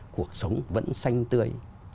cuộc sống vẫn xanh tươi